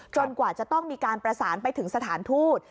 กว่าจะต้องมีการประสานไปถึงสถานทูต